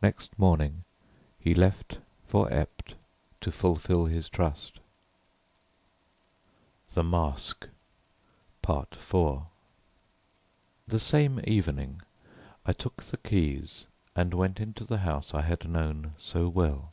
Next morning he left for Ept to fulfil his trust. IV The same evening I took the keys and went into the house I had known so well.